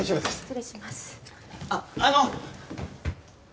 あっあの！